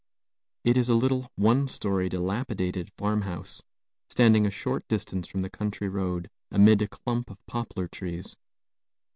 It is a little, one story, dilapidated farm house, standing a short distance from the country road, amid a clump of poplar trees.